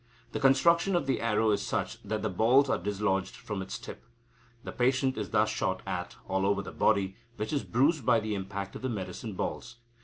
The construction of the arrow is such that the balls are dislodged from its tip. The patient is thus shot at all over the body, which is bruised by the impact of the medicine balls.